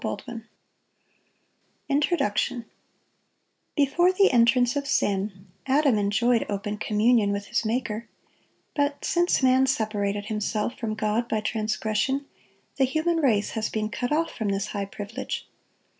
[Illustration: Introduction] Before the entrance of sin, Adam enjoyed open communion with his Maker; but since man separated himself from God by transgression, the human race has been cut off from this high privilege.